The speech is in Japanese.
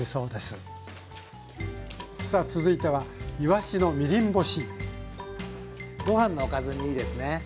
さあ続いてはご飯のおかずにいいですね。